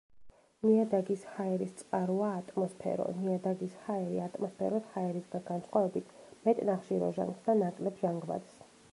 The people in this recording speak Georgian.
ნიადაგის ჰაერის წყაროა ატმოსფერო, ნიადაგის ჰაერი, ატმოსფეროს ჰაერისაგან განსხვავებით მეტ ნახშირორჟანგს და ნაკლებ ჟანგბადს.